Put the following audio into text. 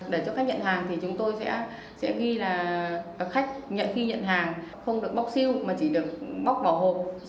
để cho khách nhận hàng thì chúng tôi sẽ ghi là khách khi nhận hàng không được bóc siêu mà chỉ được bóc vỏ hộp